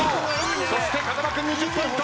そして風間君２０ポイント。